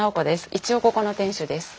一応ここの店主です。